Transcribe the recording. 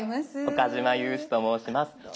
岡嶋裕史と申します。